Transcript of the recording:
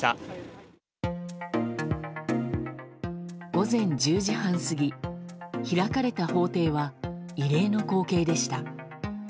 午前１０時半過ぎ開かれた法廷は異例の光景でした。